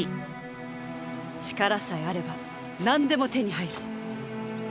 力さえあれば何でも手に入る！